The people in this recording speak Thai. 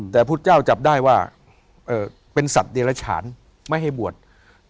แต่พุทธเจ้าจับได้ว่าเป็นสัตว์เดรฉานไม่ให้บวช